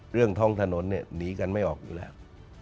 เรื่องท้องถนนเนี่ยหนีกันไม่ออกอยู่แล้ว